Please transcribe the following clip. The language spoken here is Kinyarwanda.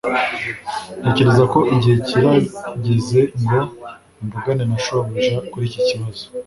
ntekereza ko igihe kirageze ngo mvugane na shobuja kuri iki kibazo